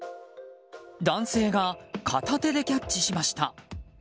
男性が片手でキャッチしました。